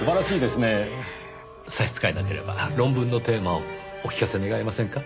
差し支えなければ論文のテーマをお聞かせ願えませんか？